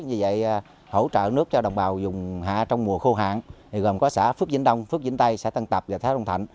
vì vậy hỗ trợ nước cho đồng bào dùng hạ trong mùa khô hạn gồm có xã phước dinh đông phước dinh tây xã tân tập và thái đông thạnh